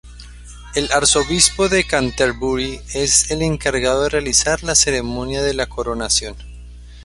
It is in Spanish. El arzobispo de Canterbury es el encargado de realizar la ceremonia de la coronación.